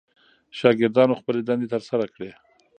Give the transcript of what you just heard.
شاګردانو خپلې دندې ترسره کړې.